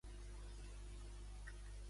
Qui és en Sergio?